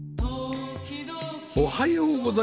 おはようございます。